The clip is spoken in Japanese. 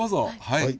はい。